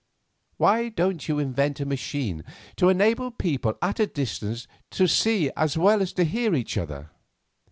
Why don't you invent a machine to enable people at a distance to see as well as to hear each other?